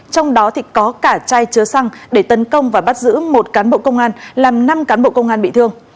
trong đó có cả chai chứa xăng để tấn công và bắt giữ một cán bộ công an làm năm cán bộ công an bị thương